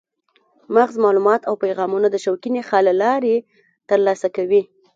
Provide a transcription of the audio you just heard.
مغز معلومات او پیغامونه د شوکي نخاع له لارې ترلاسه کوي.